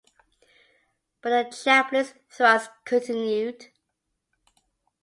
But the Japanese thrust continued.